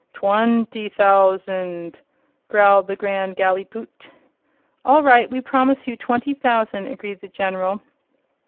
"Twenty thousand!" growled the Grand Gallipoot. "All right, we promise you twenty thousand," agreed the General.